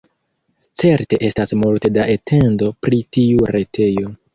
Certe estas multe da atendo pri tiu retejo.